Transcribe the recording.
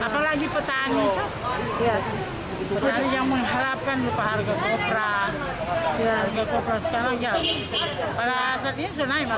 harga itu apalagi petani